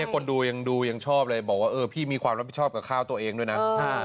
คนดูยังดูยังชอบเลยบอกว่าพี่มีความรับผิดชอบกับข้าวตัวเองด้วยนะ